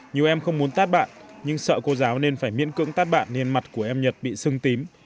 nhiều em không muốn tát bạn nhưng sợ cô giáo nên phải miễn cưỡng tát bạn nên mặt của em nhật bị sưng tím